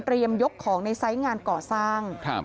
ยกของในไซส์งานก่อสร้าง